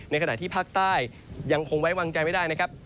ขณะที่ภาคใต้ยังคงไว้วางใจไม่ได้นะครับ